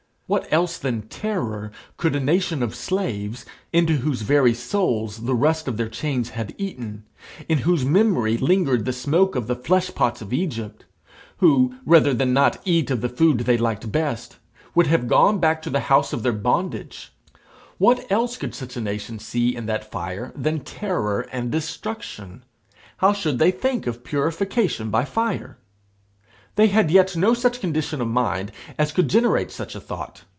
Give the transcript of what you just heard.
What else than terror could a nation of slaves, into whose very souls the rust of their chains had eaten, in whose memory lingered the smoke of the flesh pots of Egypt, who, rather than not eat of the food they liked best, would have gone back to the house of their bondage what else could such a nation see in that fire than terror and destruction? How should they think of purification by fire? They had yet no such condition of mind as could generate such a thought.